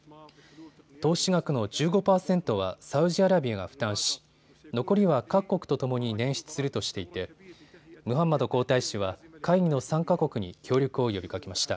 投資額の１５％はサウジアラビアが負担し残りは各国とともに捻出するとしていてムハンマド皇太子は会議の参加国に協力を呼びかけました。